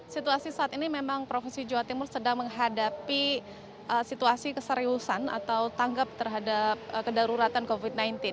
situasi saat ini memang provinsi jawa timur sedang menghadapi situasi keseriusan atau tanggap terhadap kedaruratan covid sembilan belas